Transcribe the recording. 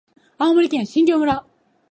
青森県新郷村